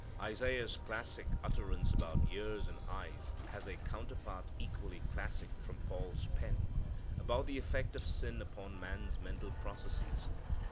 Isaiah's classic utterance about ears and eyes has a counterpart equally classic from Paul's pen, about the effect of sin upon man's mental processes.